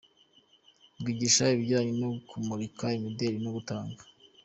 Ryigisha ibijyanye no kumurika imideli no gutanga.